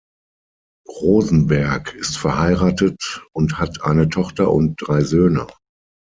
Rosenberg ist verheiratet und hat eine Tochter und drei Söhne.